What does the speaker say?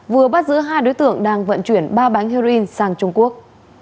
vừa bắt giữ hai đối tượng đang vận chuyển ba bánh heroin sang trung quốc